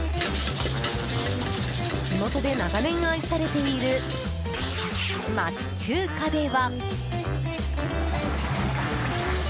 地元で長年愛されている町中華では。